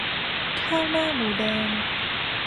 ข้าวหน้าหมูแดง